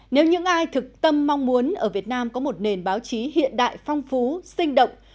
nếu những ai thực tâm mong muốn ở việt nam có một nền báo chí hiện đại phong phú sinh động